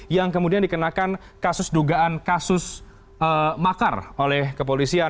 yang kemudian dikenakan kasus dugaan kasus makar oleh kepolisian